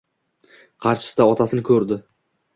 Qarshisida otasini so'rdi.